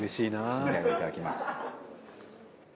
新じゃがいただきます。